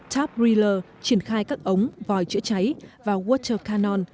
toprealer triển khai các ống vòi chữa cháy và water cannon